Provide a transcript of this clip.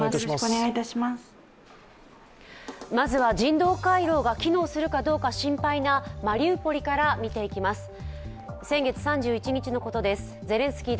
まずは人道回廊が機能するかどうか心配なマリウポリから見ていきます。